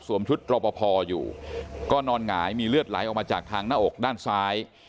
ชุดรอปภอยู่ก็นอนหงายมีเลือดไหลออกมาจากทางหน้าอกด้านซ้าย